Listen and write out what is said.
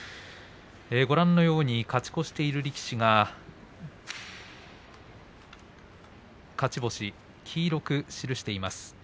ご覧のように勝ち越している力士が黄色く数字を変えていいます。